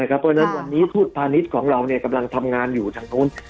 เพราะฉะนั้นวันนี้ทูตพาณิชย์ของเรากำลังทำงานอยู่ทางนู้น